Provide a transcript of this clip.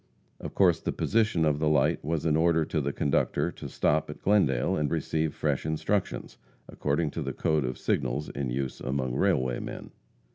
Of course the position of the light was an order to the conductor to stop at Glendale and receive fresh instructions, according to the code of signals in use among railway men.